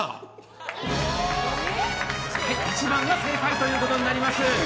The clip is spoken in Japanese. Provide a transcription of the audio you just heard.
はい、１番が正解ということになります。